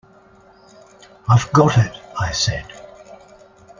"I've got it," I said.